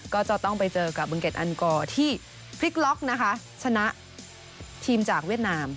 ก็จะต้องไปเจอกับบึงเกดอันกอร์ที่พลิกล็อกนะคะชนะทีมจากเวียดนาม